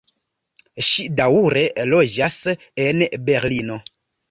Ŝi daŭre loĝas en Berlino.